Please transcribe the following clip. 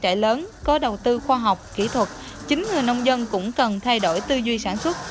cải lớn có đầu tư khoa học kỹ thuật chính người nông dân cũng cần thay đổi tư duy sản xuất